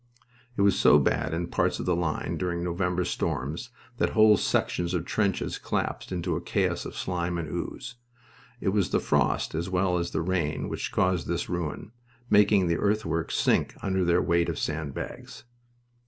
It was so bad in parts of the line during November storms that whole sections of trench collapsed into a chaos of slime and ooze. It was the frost as well as the rain which caused this ruin, making the earthworks sink under their weight of sand bags.